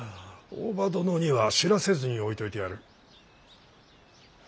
大庭殿には知らせずにおいといてやる。